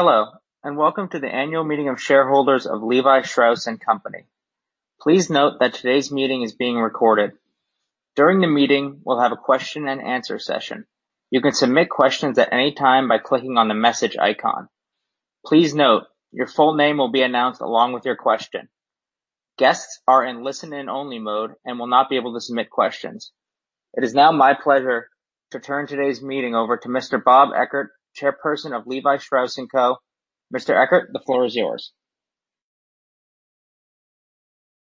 Hello, welcome to the Annual Meeting of Shareholders of Levi Strauss & Company. Please note that today's meeting is being recorded. During the meeting, we'll have a question and answer session. You can submit questions at any time by clicking on the message icon. Please note, your full name will be announced along with your question. Guests are in listen-in only mode and will not be able to submit questions. It is now my pleasure to turn today's meeting over to Mr. Bob Eckert, Chairperson of Levi Strauss & Co. Mr. Eckert, the floor is yours.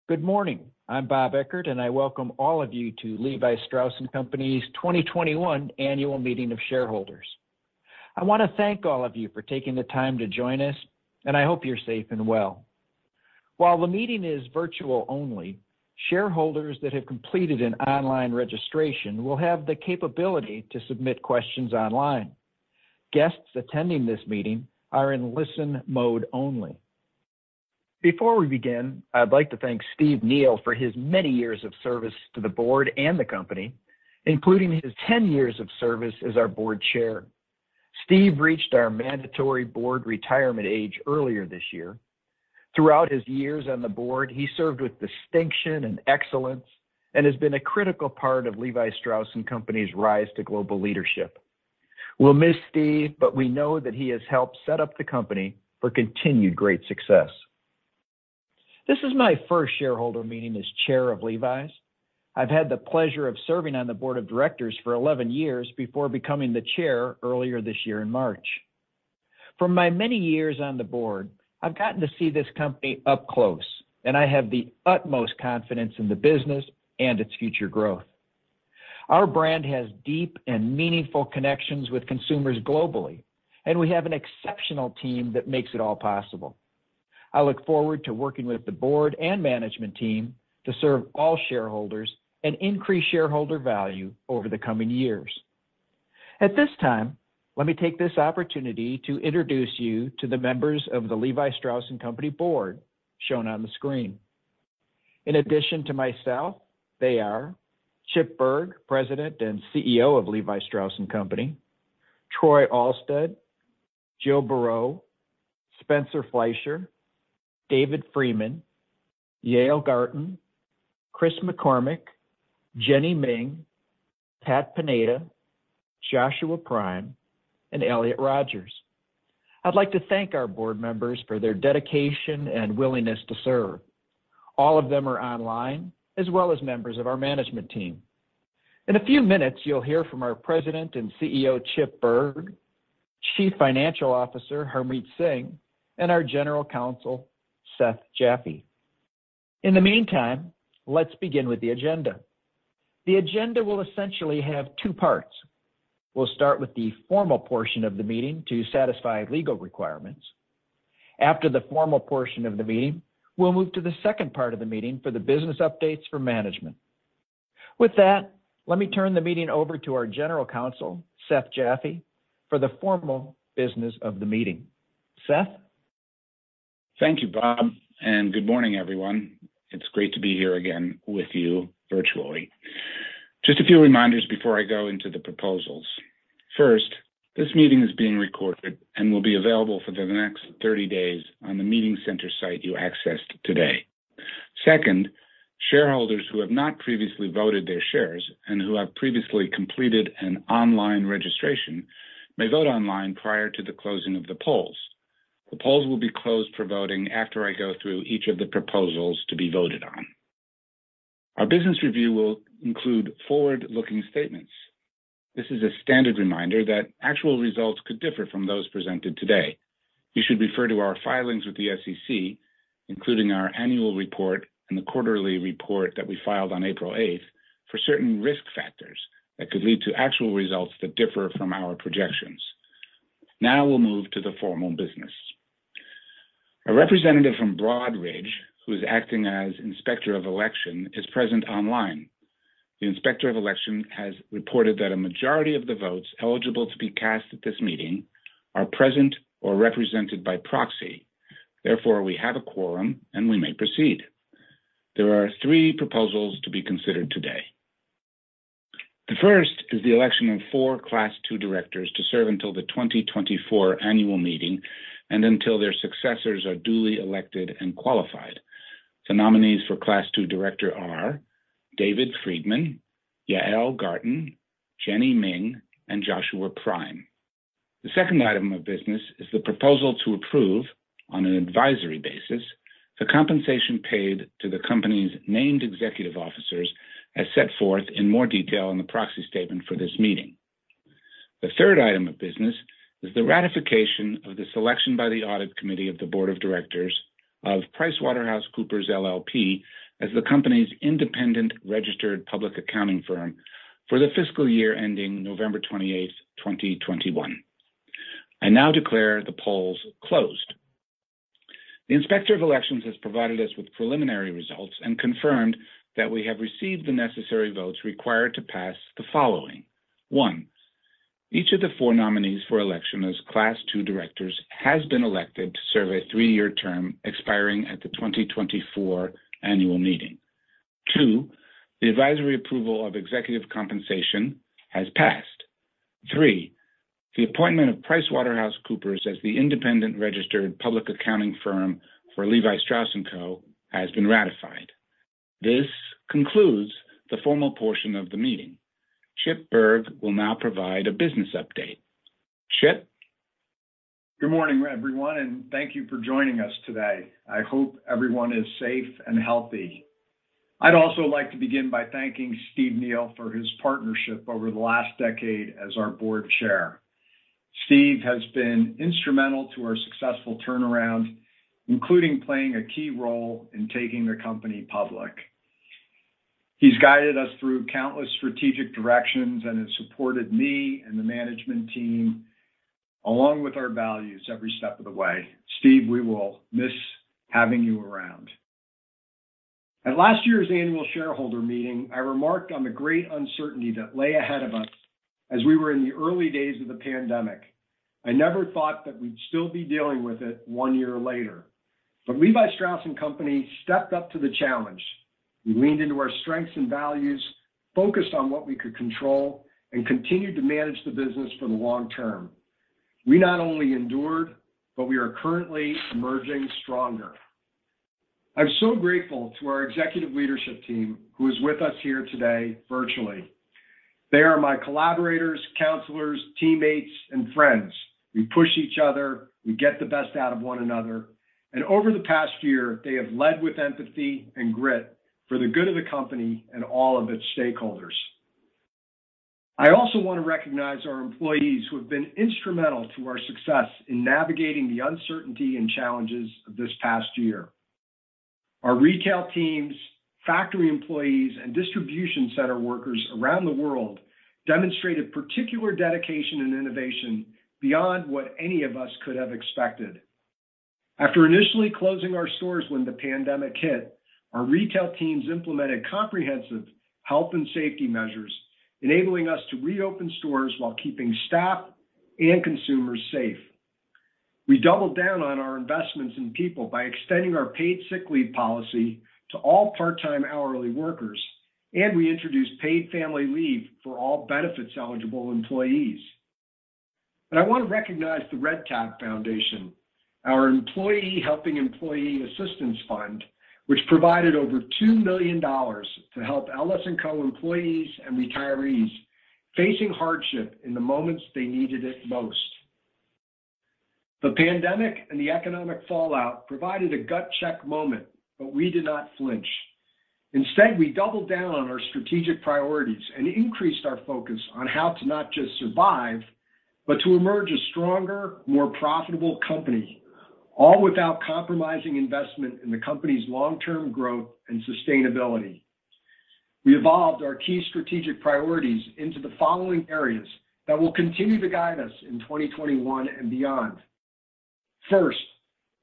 Good morning. I'm Bob Eckert. I welcome all of you to Levi Strauss & Company's 2021 Annual Meeting of Shareholders. I want to thank all of you for taking the time to join us. I hope you're safe and well. While the meeting is virtual only, shareholders that have completed an online registration will have the capability to submit questions online. Guests attending this meeting are in listen mode only. Before we begin, I'd like to thank Steve Neal for his many years of service to the Board and the company, including his 10 years of service as our Board Chair. Steve reached our mandatory Board retirement age earlier this year. Throughout his years on the Board, he served with distinction and excellence. He has been a critical part of Levi Strauss & Company's rise to global leadership. We'll miss Steve. But, we know that he has helped set up the company for continued great success. This is my first shareholder meeting as Chair of Levi's. I've had the pleasure of serving on the Board of Directors for 11 years before becoming the Chair earlier this year in March. From my many years on the Board, I've gotten to see this company up close. I have the utmost confidence in the business and its future growth. Our brand has deep and meaningful connections with consumers globally. We have an exceptional team that makes it all possible. I look forward to working with the Board and Management team to serve all shareholders and increase shareholder value over the coming years. At this time, let me take this opportunity to introduce you to the members of the Levi Strauss & Company Board, shown on the screen. In addition to myself, they are Chip Bergh, President and CEO of Levi Strauss & Company, Troy Alstead, Jill Beraud, Spencer Fleischer, David Friedman, Yael Garten, Chris McCormick, Jenny Ming, Pat Pineda, Joshua Prime, and Elliott Rodgers. I'd like to thank our Board members for their dedication and willingness to serve. All of them are online, as well as members of our management team. In a few minutes, you'll hear from our President and CEO, Chip Bergh, Chief Financial Officer, Harmit Singh, and our General Counsel, Seth Jaffe. In the meantime, let's begin with the agenda. The agenda will essentially have two parts. We'll start with the formal portion of the meeting to satisfy legal requirements. After the formal portion of the meeting, we'll move to the second part of the meeting for the business updates from management. With that, let me turn the meeting over to our General Counsel, Seth Jaffe, for the formal business of the meeting. Seth? Thank you, Bob, and good morning, everyone. It's great to be here again with you virtually. Just a few reminders before I go into the proposals. First, this meeting is being recorded and will be available for the next 30 days on the meeting center site you accessed today. Second, shareholders who have not previously voted their shares and who have previously completed an online registration may vote online prior to the closing of the polls. The polls will be closed for voting after I go through each of the proposals to be voted on. Our business review will include forward-looking statements. This is a standard reminder that actual results could differ from those presented today. You should refer to our filings with the SEC, including our annual report and the quarterly report that we filed on April 8th, for certain risk factors that could lead to actual results that differ from our projections. We'll move to the formal business. A representative from Broadridge, who is acting as Inspector of Election, is present online. The Inspector of Election has reported that a majority of the votes eligible to be cast at this meeting are present or represented by proxy. We have a quorum, and we may proceed. There are three proposals to be considered today. The first is the election of four Class II Directors to serve until the 2024 annual meeting and until their successors are duly elected and qualified. The nominees for Class II Director are David Friedman, Yael Garten, Jenny Ming, and Joshua Prime. The second item of business is the proposal to approve, on an advisory basis, the compensation paid to the company's named executive officers as set forth in more detail in the proxy statement for this meeting. The third item of business is the ratification of the selection by the audit committee of the Board of Directors of PricewaterhouseCoopers LLP as the company's Independent Registered Public Accounting firm for the fiscal year ending November 28th, 2021. I now declare the polls closed. The Inspector of Elections has provided us with preliminary results and confirmed that we have received the necessary votes required to pass the following. One, each of the four nominees for election as Class II Directors has been elected to serve a three-year term expiring at the 2024 annual meeting. Two, the advisory approval of executive compensation has passed. Three, the appointment of PricewaterhouseCoopers as the Independent Registered Public Accounting firm for Levi Strauss & Co has been ratified. This concludes the formal portion of the meeting. Chip Bergh will now provide a business update. Chip? Good morning, everyone, and thank you for joining us today. I hope everyone is safe and healthy. I'd also like to begin by thanking Steve Neal for his partnership over the last decade as our Board Chair. Steve has been instrumental to our successful turnaround, including playing a key role in taking the company public. He's guided us through countless strategic directions and has supported me and the management team, along with our values every step of the way. Steve, we will miss having you around. At last year's annual shareholder meeting, I remarked on the great uncertainty that lay ahead of us as we were in the early days of the pandemic. I never thought that we'd still be dealing with it one year later, but Levi Strauss & Company stepped up to the challenge. We leaned into our strengths and values, focused on what we could control, and continued to manage the business for the long term. We not only endured, but we are currently emerging stronger. I'm so grateful to our executive leadership team who is with us here today virtually. They are my collaborators, counselors, teammates, and friends. We push each other, we get the best out of one another, and over the past year, they have led with empathy and grit for the good of the company and all of its stakeholders. I also want to recognize our employees who have been instrumental to our success in navigating the uncertainty and challenges of this past year. Our retail teams, factory employees, and distribution center workers around the world demonstrated particular dedication and innovation beyond what any of us could have expected. After initially closing our stores when the pandemic hit, our retail teams implemented comprehensive health and safety measures, enabling us to reopen stores while keeping staff and consumers safe. We doubled down on our investments in people by extending our paid sick leave policy to all part-time hourly workers, and we introduced paid family leave for all benefits-eligible employees. I want to recognize the Red Tab Foundation, our employee helping employee assistance fund, which provided over $2 million to help LS & Co employees and retirees facing hardship in the moments they needed it most. The pandemic and the economic fallout provided a gut-check moment, but we did not flinch. Instead, we doubled down on our strategic priorities and increased our focus on how to not just survive, but to emerge a stronger, more profitable company, all without compromising investment in the company's long-term growth and sustainability. We evolved our key strategic priorities into the following areas that will continue to guide us in 2021 and beyond. First,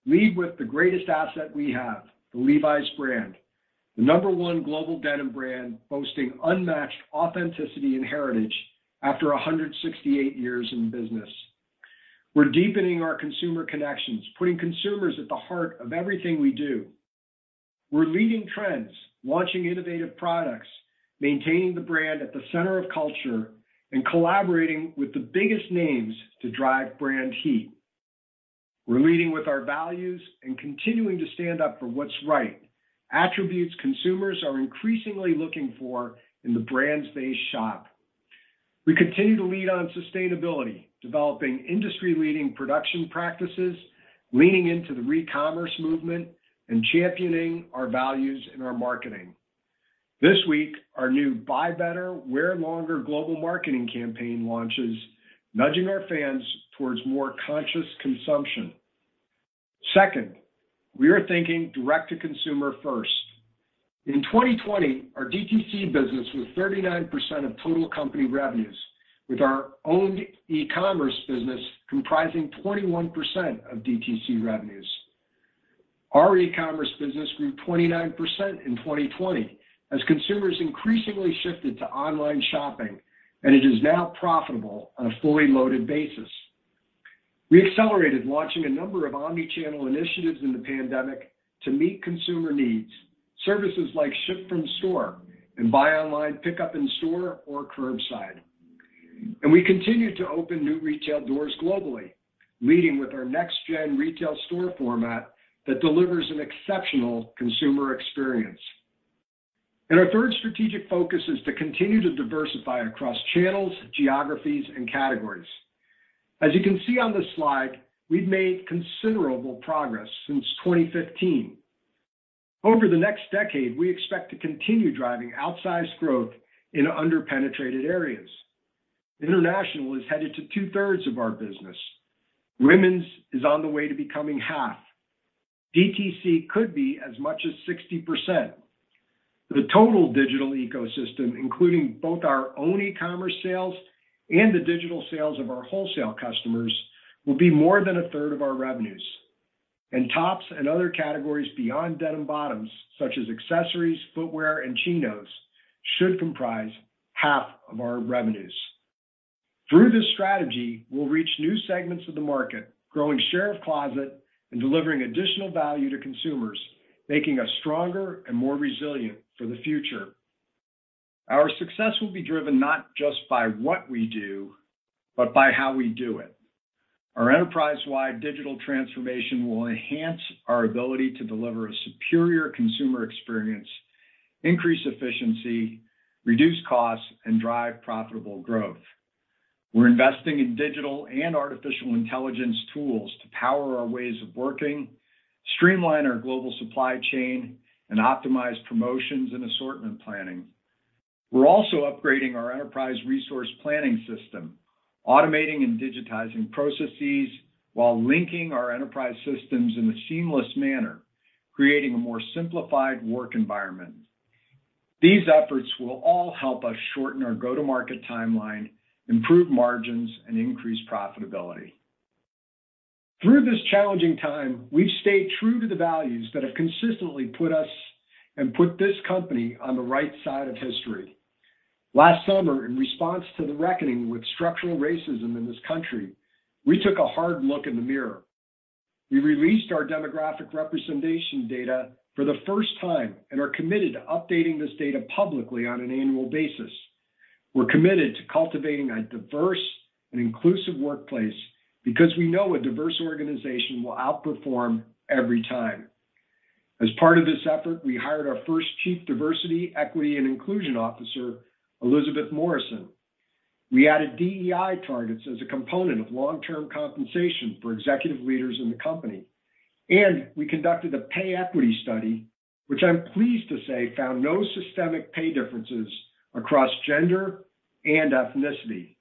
lead with the greatest asset we have, the Levi's brand. The number one global denim brand boasting unmatched authenticity and heritage after 168 years in business. We're deepening our consumer connections, putting consumers at the heart of everything we do. We're leading trends, launching innovative products, maintaining the brand at the center of culture, and collaborating with the biggest names to drive brand heat. We're leading with our values and continuing to stand up for what's right. Attributes consumers are increasingly looking for in the brands they shop. We continue to lead on sustainability, developing industry-leading production practices, leaning into the recommerce movement, and championing our values in our marketing. This week, our new Buy Better, Wear Longer global marketing campaign launches, nudging our fans towards more conscious consumption. Second, we are thinking direct to consumer first. In 2020, our DTC business was 39% of total company revenues, with our owned e-commerce business comprising 21% of DTC revenues. Our e-commerce business grew 29% in 2020 as consumers increasingly shifted to online shopping, and it is now profitable on a fully loaded basis. We accelerated launching a number of omni-channel initiatives in the pandemic to meet consumer needs, services like ship from store and buy online pickup in store or curbside. We continue to open new retail doors globally, leading with our NextGen retail store format that delivers an exceptional consumer experience. Our third strategic focus is to continue to diversify across channels, geographies, and categories. As you can see on this slide, we've made considerable progress since 2015. Over the next decade, we expect to continue driving outsized growth in under-penetrated areas. International is headed to 2/3 of our business. Women's is on the way to becoming 1/2. DTC could be as much as 60%. The total digital ecosystem, including both our own e-commerce sales and the digital sales of our wholesale customers, will be more than 1/3 of our revenues. Tops and other categories beyond denim bottoms, such as accessories, footwear, and chinos, should comprise 1/2 of our revenues. Through this strategy, we'll reach new segments of the market, growing share of closet and delivering additional value to consumers, making us stronger and more resilient for the future. Our success will be driven not just by what we do, but by how we do it. Our enterprise-wide digital transformation will enhance our ability to deliver a superior consumer experience, increase efficiency, reduce costs, and drive profitable growth. We're investing in digital and artificial intelligence tools to power our ways of working, streamline our global supply chain, and optimize promotions and assortment planning. We're also upgrading our enterprise resource planning system, automating and digitizing processes while linking our enterprise systems in a seamless manner, creating a more simplified work environment. These efforts will all help us shorten our go-to-market timeline, improve margins, and increase profitability. Through this challenging time, we've stayed true to the values that have consistently put us, and put this company, on the right side of history. Last summer, in response to the reckoning with structural racism in this country, we took a hard look in the mirror. We released our demographic representation data for the first time and are committed to updating this data publicly on an annual basis. We're committed to cultivating a diverse and inclusive workplace because we know a diverse organization will outperform every time. As part of this effort, we hired our first Chief Diversity, Equity, and Inclusion Officer, Elizabeth Morrison. We added DEI targets as a component of long-term compensation for executive leaders in the company, and we conducted a pay equity study, which I'm pleased to say, found no systemic pay differences across gender and ethnicity.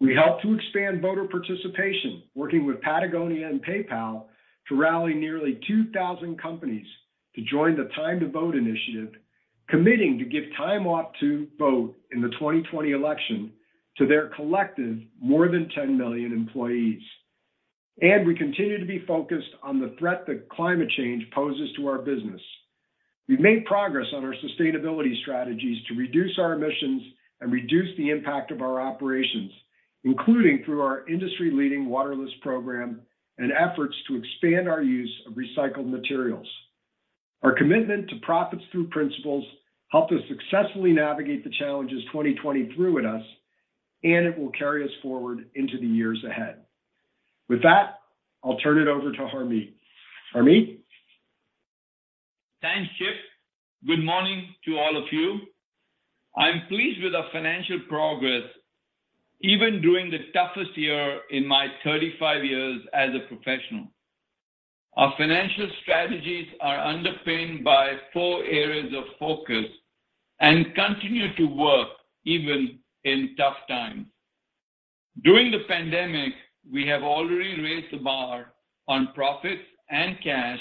We helped to expand voter participation, working with Patagonia and PayPal to rally nearly 2,000 companies to join the Time to Vote initiative, committing to give time off to vote in the 2020 election to their collective more than 10 million employees. We continue to be focused on the threat that climate change poses to our business. We've made progress on our sustainability strategies to reduce our emissions and reduce the impact of our operations, including through our industry-leading Water<Less program and efforts to expand our use of recycled materials. Our commitment to profits through principles helped us successfully navigate the challenges 2020 threw at us, and it will carry us forward into the years ahead. With that, I'll turn it over to Harmit. Harmit? Thanks, Chip. Good morning to all of you. I'm pleased with our financial progress, even during the toughest year in my 35 years as a professional. Our financial strategies are underpinned by four areas of focus and continue to work even in tough times. During the pandemic, we have already raised the bar on profits and cash,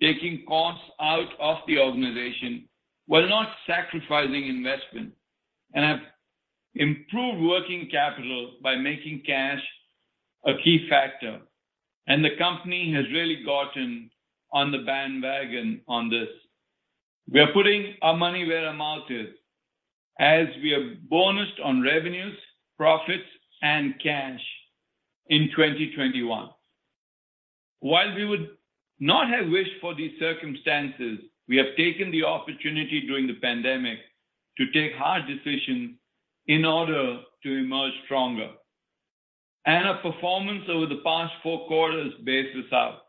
taking costs out of the organization while not sacrificing investment, and have improved working capital by making cash a key factor, and the company has really gotten on the bandwagon on this. We are putting our money where our mouth is as we are bonused on revenues, profits, and cash in 2021. While we would not have wished for these circumstances, we have taken the opportunity during the pandemic to take hard decisions in order to emerge stronger. Our performance over the past four quarters bears this out.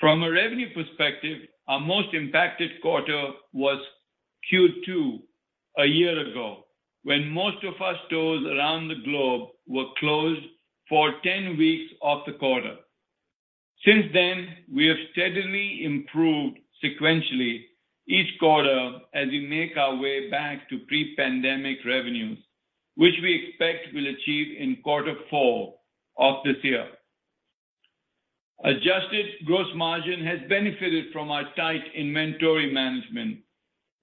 From a revenue perspective, our most impacted quarter was Q2 a year ago, when most of our stores around the globe were closed for 10 weeks of the quarter. Since then, we have steadily improved sequentially each quarter as we make our way back to pre-pandemic revenues, which we expect we'll achieve in quarter four of this year. Adjusted gross margin has benefited from our tight inventory management,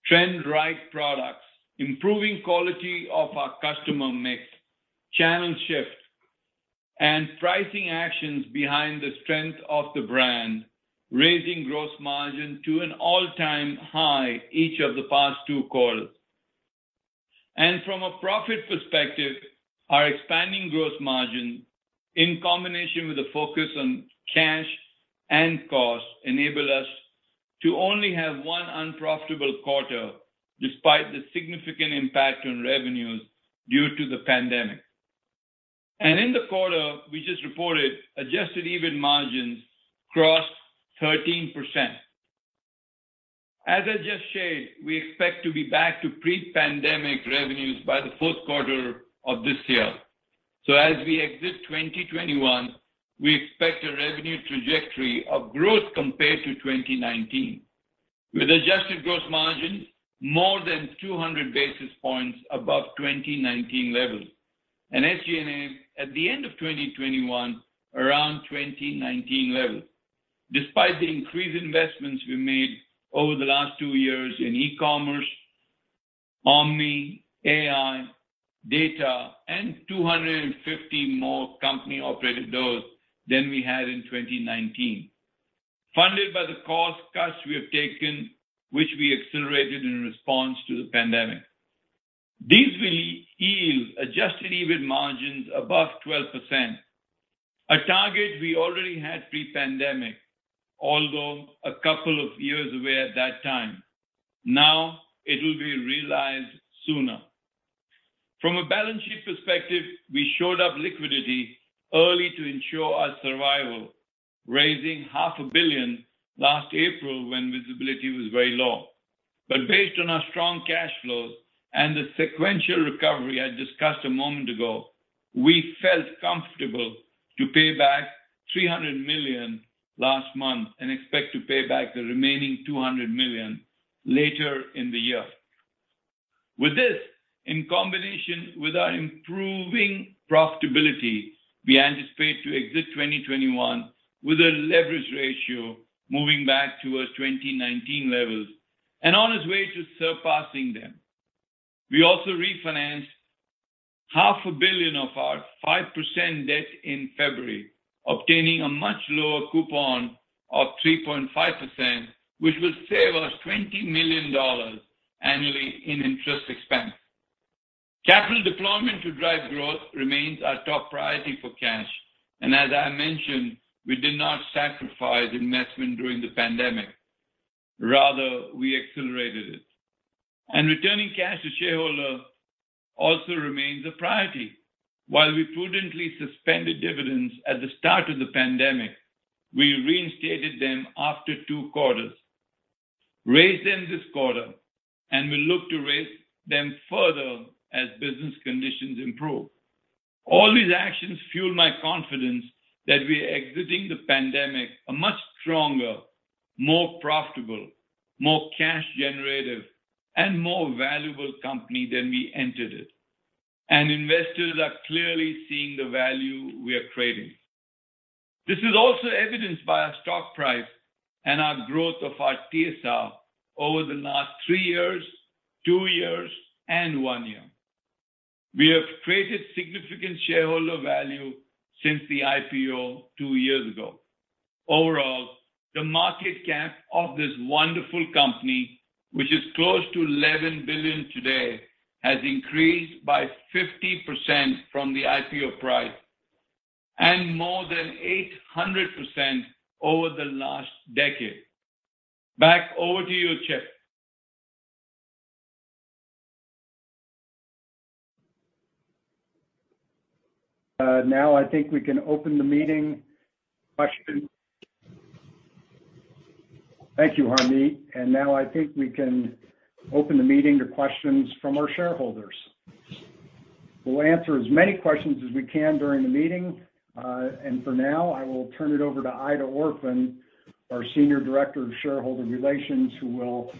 trend-right products, improving quality of our customer mix, channel shift, and pricing actions behind the strength of the brand, raising gross margin to an all-time high each of the past two quarters. From a profit perspective, our expanding gross margin, in combination with the focus on cash and cost, enable us to only have one unprofitable quarter despite the significant impact on revenues due to the pandemic. In the quarter we just reported, adjusted EBIT margins crossed 13%. As I just shared, we expect to be back to pre-pandemic revenues by the fourth quarter of this year. As we exit 2021, we expect a revenue trajectory of growth compared to 2019, with adjusted gross margins more than 200 basis points above 2019 levels. SG&A at the end of 2021 around 2019 levels, despite the increased investments we made over the last two years in e-commerce, omni, AI, data, and 250 more company-operated doors than we had in 2019. Funded by the cost cuts we have taken, which we accelerated in response to the pandemic. These will yield adjusted EBIT margins above 12%, a target we already had pre-pandemic, although a couple of years away at that time. Now it will be realized sooner. From a balance sheet perspective, we shored up liquidity early to ensure our survival, raising half a billion dollars last April when visibility was very low. Based on our strong cash flows and the sequential recovery I discussed a moment ago, we felt comfortable to pay back $300 million last month and expect to pay back the remaining $200 million later in the year. With this, in combination with our improving profitability, we anticipate to exit 2021 with a leverage ratio moving back towards 2019 levels and on its way to surpassing them. We also refinanced $500 million of our 5% debt in February, obtaining a much lower coupon of 3.5%, which will save us $20 million annually in interest expense. Capital deployment to drive growth remains our top priority for cash. As I mentioned, we did not sacrifice investment during the pandemic. Rather, we accelerated it. Returning cash to shareholder also remains a priority. While we prudently suspended dividends at the start of the pandemic, we reinstated them after two quarters, raised them this quarter, and will look to raise them further as business conditions improve. All these actions fuel my confidence that we are exiting the pandemic a much stronger, more profitable, more cash generative, and more valuable company than we entered it. Investors are clearly seeing the value we are creating. This is also evidenced by our stock price and our growth of our TSR over the last three years, two years, and one year. We have created significant shareholder value since the IPO two years ago. Overall, the market cap of this wonderful company, which is close to $11 billion today, has increased by 50% from the IPO price and more than 800% over the last decade. Back over to you, Chip. Now I think we can open the meeting. Question? Thank you, Harmit. Now I think we can open the meeting to questions from our shareholders. We'll answer as many questions as we can during the meeting. For now, I will turn it over to Aida Orphan, our Senior Director of Shareholder Relations, who will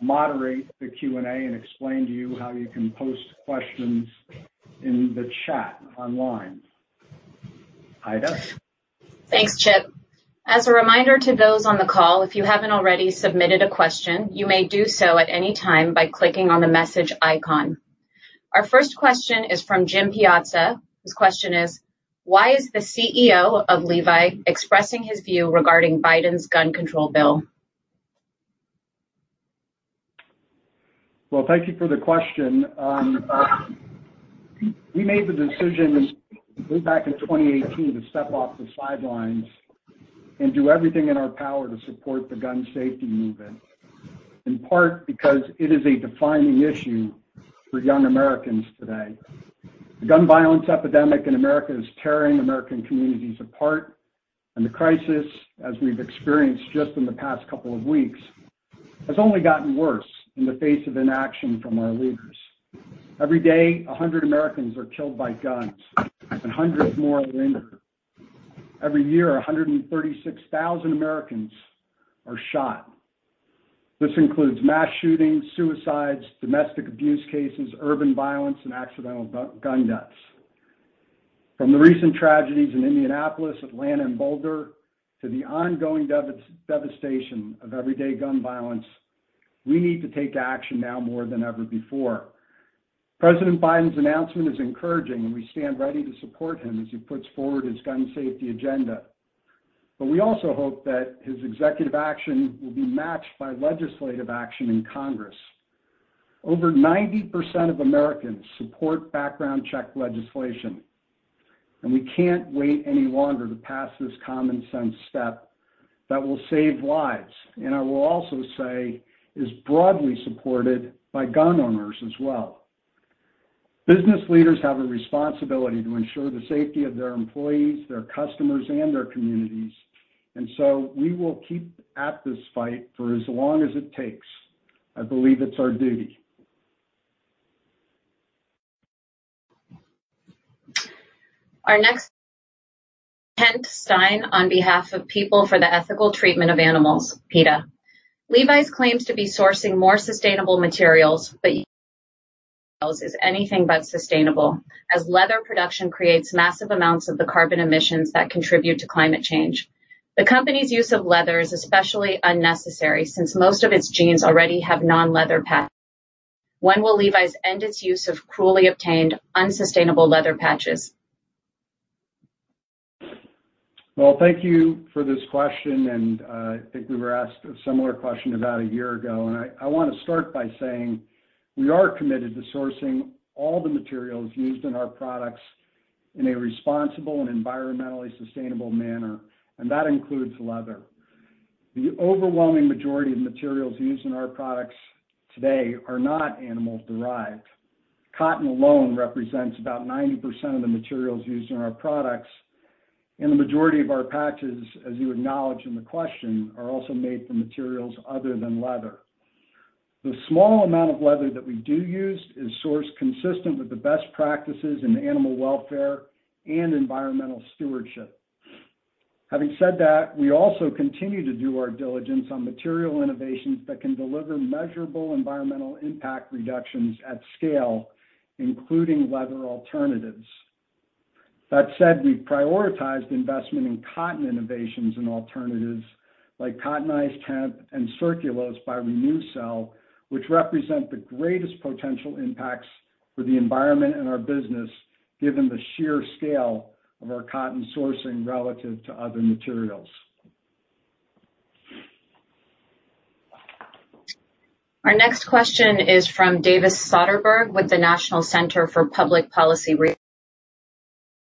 moderate the Q&A and explain to you how you can post questions in the chat online. Aida? Thanks, Chip. As a reminder to those on the call, if you haven't already submitted a question, you may do so at any time by clicking on the message icon. Our first question is from Jim Piazza. His question is, Why is the CEO of Levi expressing his view regarding Biden's gun control bill? Well, thank you for the question. We made the decision way back in 2018 to step off the sidelines and do everything in our power to support the gun safety movement, in part because it is a defining issue for young Americans today. The gun violence epidemic in America is tearing American communities apart. The crisis, as we've experienced just in the past couple of weeks, has only gotten worse in the face of inaction from our leaders. Every day, 100 Americans are killed by guns, and hundreds more are injured. Every year, 136,000 Americans are shot. This includes mass shootings, suicides, domestic abuse cases, urban violence, and accidental gun deaths. From the recent tragedies in Indianapolis, Atlanta, and Boulder, to the ongoing devastation of everyday gun violence, we need to take action now more than ever before. President Biden's announcement is encouraging. We stand ready to support him as he puts forward his gun safety agenda. We also hope that his executive action will be matched by legislative action in Congress. Over 90% of Americans support background check legislation. We can't wait any longer to pass this common sense step that will save lives. I will also say is broadly supported by gun owners as well. Business leaders have a responsibility to ensure the safety of their employees, their customers, and their communities. We will keep at this fight for as long as it takes. I believe it's our duty. Our next. Kent Stein on behalf of People for the Ethical Treatment of Animals, PETA. Levi's claims to be sourcing more sustainable materials, but using animals is anything but sustainable, as leather production creates massive amounts of the carbon emissions that contribute to climate change. The company's use of leather is especially unnecessary since most of its jeans already have non-leather. When will Levi's end its use of cruelly obtained, unsustainable leather patches? Thank you for this question. I think we were asked a similar question about a year ago. I want to start by saying we are committed to sourcing all the materials used in our products in a responsible and environmentally sustainable manner, and that includes leather. The overwhelming majority of materials used in our products today are not animal-derived. Cotton alone represents about 90% of the materials used in our products, and the majority of our patches, as you acknowledge in the question, are also made from materials other than leather. The small amount of leather that we do use is sourced consistent with the best practices in animal welfare and environmental stewardship. Having said that, we also continue to do our diligence on material innovations that can deliver measurable environmental impact reductions at scale, including leather alternatives. We've prioritized investment in cotton innovations and alternatives like Cottonized Hemp and Circulose by Renewcell, which represent the greatest potential impacts for the environment and our business, given the sheer scale of our cotton sourcing relative to other materials. Our next question is from Davis Soderberg with the National Center for Public Policy.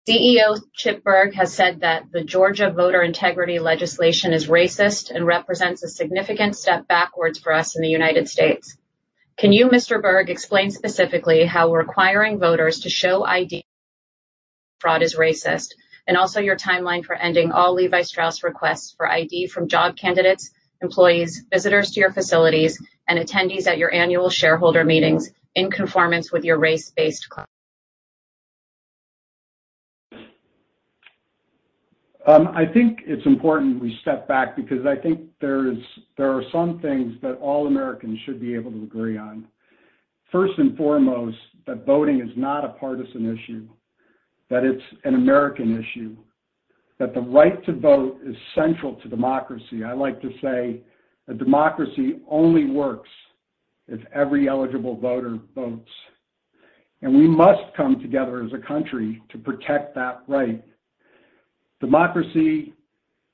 CEO Chip Bergh has said that the Georgia voter integrity legislation is racist and represents a significant step backwards for us in the United States. Can you, Mr. Bergh, explain specifically how requiring voters to show ID for fraud is racist, and also your timeline for ending all Levi Strauss requests for ID from job candidates, employees, visitors to your facilities, and attendees at your annual shareholder meetings in conformance with your race-based? I think it's important we step back because I think there are some things that all Americans should be able to agree on. First and foremost, that voting is not a partisan issue, that it's an American issue, that the right to vote is central to democracy. I like to say a democracy only works if every eligible voter votes, and we must come together as a country to protect that right. Democracy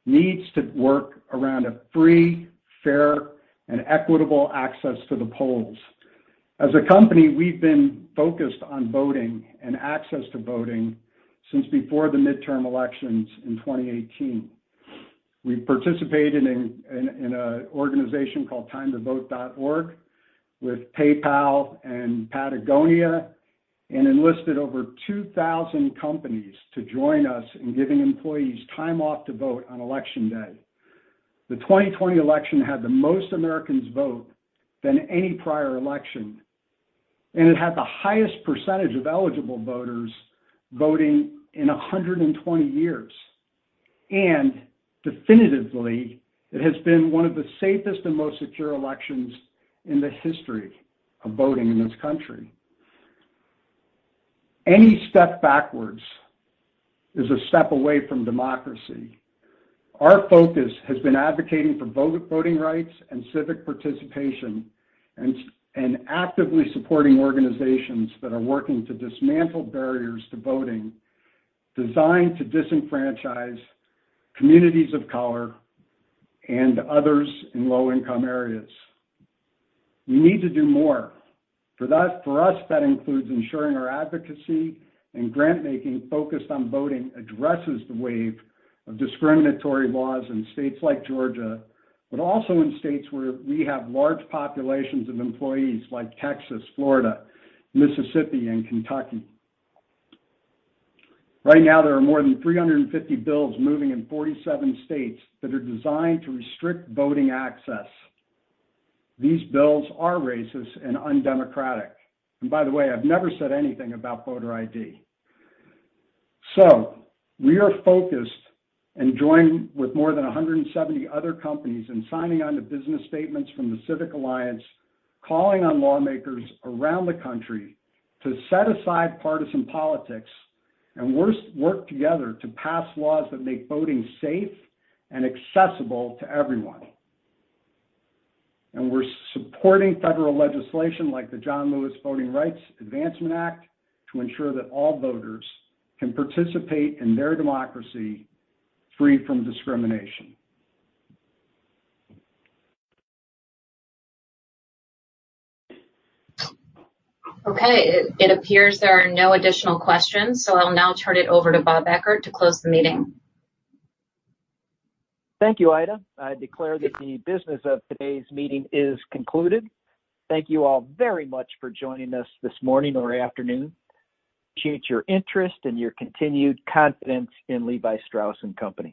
needs to work around a free, fair, and equitable access to the polls. As a company, we've been focused on voting and access to voting since before the midterm elections in 2018. We participated in an organization called timetovote.org with PayPal and Patagonia and enlisted over 2,000 companies to join us in giving employees time off to vote on Election Day. The 2020 election had the most Americans vote than any prior election, and it had the highest percentage of eligible voters voting in 120 years. Definitively, it has been one of the safest and most secure elections in the history of voting in this country. Any step backwards is a step away from democracy. Our focus has been advocating for voting rights and civic participation, and actively supporting organizations that are working to dismantle barriers to voting designed to disenfranchise communities of color and others in low-income areas. We need to do more. For us, that includes ensuring our advocacy and grant-making focused on voting addresses the wave of discriminatory laws in states like Georgia, but also in states where we have large populations of employees, like Texas, Florida, Mississippi, and Kentucky. Right now, there are more than 350 bills moving in 47 states that are designed to restrict voting access. These bills are racist and undemocratic. By the way, I've never said anything about voter ID. We are focused and joined with more than 170 other companies in signing on to business statements from the Civic Alliance, calling on lawmakers around the country to set aside partisan politics and work together to pass laws that make voting safe and accessible to everyone. We're supporting federal legislation like the John Lewis Voting Rights Advancement Act to ensure that all voters can participate in their democracy free from discrimination. Okay, it appears there are no additional questions. I'll now turn it over to Bob Eckert to close the meeting. Thank you, Aida. I declare that the business of today's meeting is concluded. Thank you all very much for joining us this morning or afternoon. Appreciate your interest and your continued confidence in Levi Strauss & Company.